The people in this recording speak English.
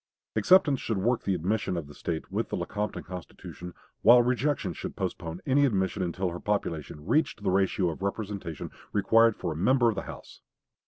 Acceptance should work the admission of the State with the Lecompton Constitution, while rejection should postpone any admission until her population reached the ratio of representation required for a member of the House.